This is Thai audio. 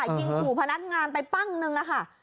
ยิงขู่พนักงานไปปั้งนึงค่ะ